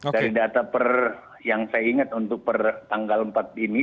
dari data yang saya ingat untuk tanggal empat ini